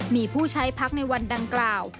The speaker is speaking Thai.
มีผู้ใช้พักในวันดังกล่าว